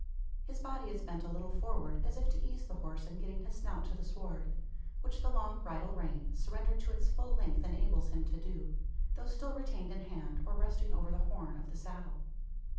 His body is bent a little forward, as if to ease the horse in getting his snout to the sward; which the long bridle rein, surrendered to its full length, enables him to do, though still retained in hand, or resting over the "horn" of the saddle.